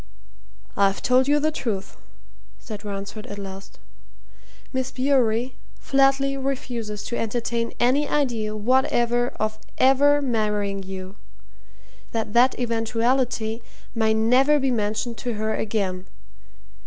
"I've told you the truth," said Ransford at last. "Miss Bewery flatly refuses to entertain any idea whatever of ever marrying you. She earnestly hopes that that eventuality may never be mentioned to her again.